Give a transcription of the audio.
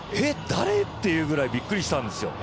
誰？ってぐらいびっくりしたんですよ。